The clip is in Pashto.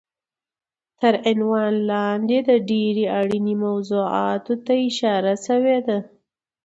دې عنوان لاندې د ډېرې اړینې موضوعاتو ته اشاره شوی دی